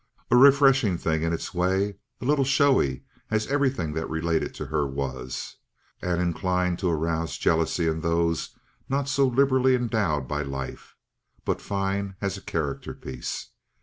A refreshing thing in its way, a little showy, as everything that related to her was, and inclined to arouse jealousy in those not so liberally endowed by life, but fine as a character piece.